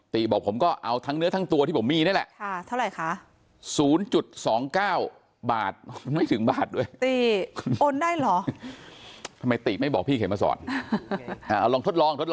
ตีบอกผมก็เอาทั้งเนื้อทั้งตัวผมมีนี่แหละกูว่า๐๒๙บาท